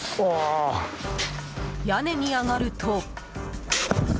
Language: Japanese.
屋根に上がると。